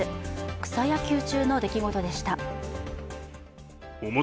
草野球中の出来事でした。